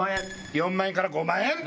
４万円から５万円！